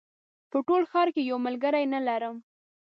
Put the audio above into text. په ټول ښار کې یو ملګری نه لرم